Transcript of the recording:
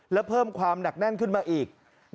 แล้วเพิ่มความหนักแน่นขึ้นมาอีก